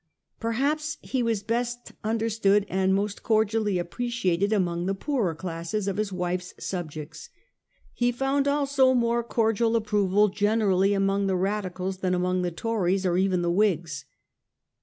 Perhaps he was best understood and most cordially appreciated among the poorer classes of his wife's subjects. He found also more cordial approval generally among the Radicals than among the Tories, or even the Whigs.